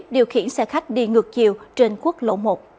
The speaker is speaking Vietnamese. điều khiển xe khách đi ngược chiều trên quốc lộ một